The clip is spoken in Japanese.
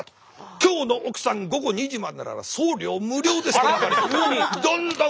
今日の奥さん午後２時までなら送料無料ですとばかりにどんどん売り込んでいった。